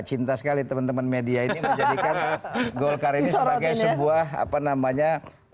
cinta sekali teman teman media ini menjadikan golkar ini sebagai sebuah apa namanya